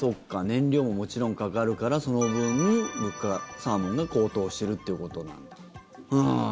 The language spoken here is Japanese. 燃料も、もちろんかかるからその分、物価、サーモンが高騰してるっていうことなんだ。